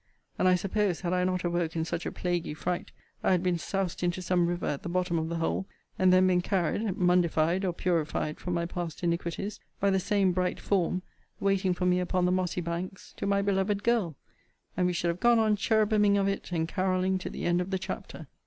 And I suppose, had I not awoke in such a plaguy fright, I had been soused into some river at the bottom of the hole, and then been carried (mundified or purified from my past iniquities,) by the same bright form (waiting for me upon the mossy banks,) to my beloved girl; and we should have gone on cherubiming of it and caroling to the end of the chapter.